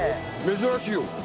珍しいよ。